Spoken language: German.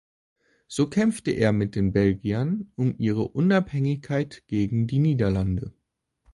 So kämpfte er mit den Belgiern um ihre Unabhängigkeit gegen die Niederlande.